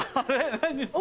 何して。